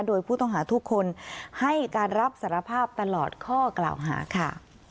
โดยผู้ต้องหาทุกคนให้การรับสารภาพตลอดข้อกล่าวหาค่ะ